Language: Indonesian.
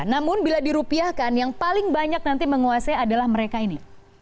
namun bila dirupiahkan yang paling banyak nanti menguasai adalah mereka ini